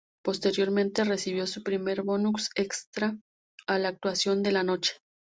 Posteriormente, recibió su primer bonus extra a la "Actuación de la Noche".